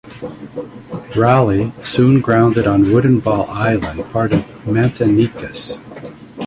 "Raleigh" soon grounded on Wooden Ball Island, part of Matinicus.